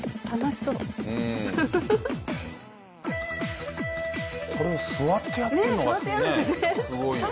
楽しそう。